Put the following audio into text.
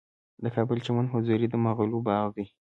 د کابل چمن حضوري د مغلو باغ دی